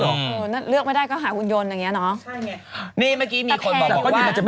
เลือกไม่ได้ก็หาหุ่นยนต์อย่างนี้เนอะ